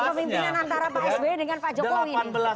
pemimpinan antara pak sby dengan pak jokowi ini